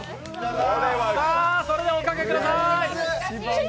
それではおかけください。